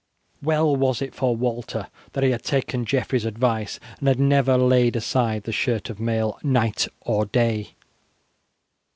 Well was it for Walter that he had taken Geoffrey's advice, and had never laid aside the shirt of mail, night or day.